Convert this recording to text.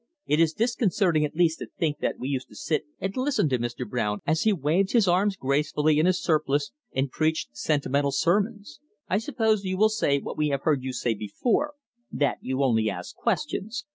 It is disconcerting at least to think that we used to sit and listen to Mr. Brown as he waved his arms gracefully in his surplice and preached sentimental sermons. I suppose you will say, what we have heard you say before, that you only asked questions.